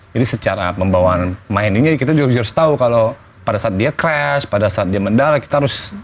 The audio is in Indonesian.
jadi secara pembawaan mind nya kita juga harus tau kalau pada saat dia crash pada saat dia mendarat kita harus